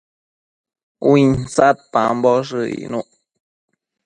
Uinsadpamboshë icnuc